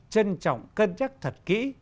trân trọng cân chắc thật kỹ